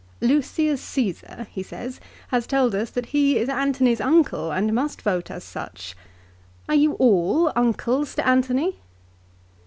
"Lucius Caesar," he said, "has told us that he is Antony's uncle and must vote as such. Are you all uncles to Antony